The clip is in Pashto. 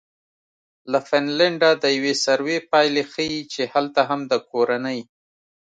له فنلنډه د یوې سروې پایلې ښیي چې هلته هم د کورنۍ